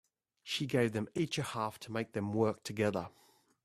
She gave them each a half to make them work together.